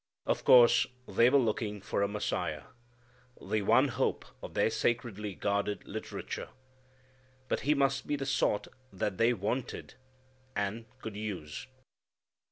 Of course they were looking for a Messiah, the one hope of their sacredly guarded literature. But He must be the sort that they wanted, and could use.